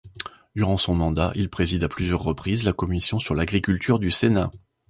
Durant son mandat, il préside à plusieurs reprises la commission sur l'agriculture du Sénat.